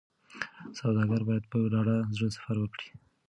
سوداګر باید په ډاډه زړه سفر وکړي.